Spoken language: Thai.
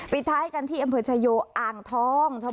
ปิดท้ายกันที่อำเภอชายโยอ่างทอง